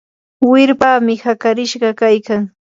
wirpami hakarishqa kaykan.